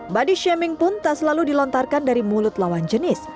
body shaming pun tak selalu dilontarkan dari mulut lawan jenis